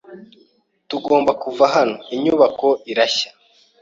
Tugomba kuva hano. Inyubako irashya.